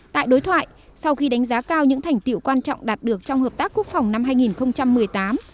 tại đối thoại sau khi đánh giá cao những thành tiệu quan trọng đạt được trong hợp tác quốc phòng năm hai nghìn một mươi tám